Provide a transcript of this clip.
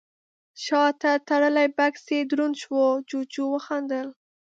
شاته تړلی بکس يې دروند شو، جُوجُو وخندل: